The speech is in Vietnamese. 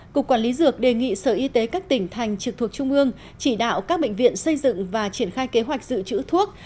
cục quản lý dược đề nghị sở y tế các tỉnh thành trực thuộc trung ương chỉ đạo các bệnh viện xây dựng và triển khai kế hoạch dự trữ thuốc